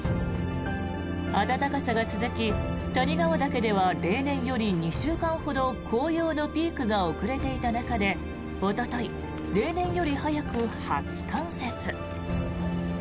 暖かさが続き谷川岳では例年より２週間ほど紅葉のピークが遅れていた中でおととい、例年より早く初冠雪。